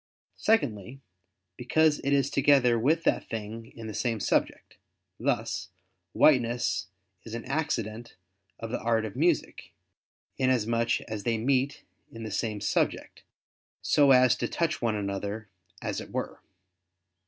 Secondly, because it is together with that thing in the same subject: thus, whiteness is an accident of the art of music, inasmuch as they meet in the same subject, so as to touch one another, as it were.